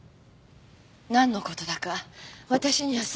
なんの事だか私にはさっぱり。